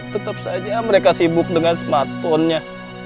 tetap saja mereka sibuk dengan smartphone nya